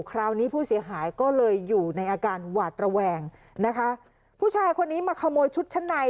คราวนี้ผู้เสียหายก็เลยอยู่ในอาการหวาดระแวงนะคะผู้ชายคนนี้มาขโมยชุดชั้นใน